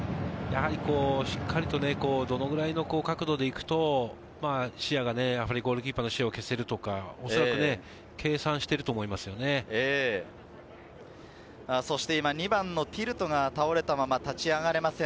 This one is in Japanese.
しっかりと、どのくらいの角度で行くと、ゴールキーパーの視野を消せるとか、おそらく計算そして今、２番のティルトが倒れたまま立ち上がれません。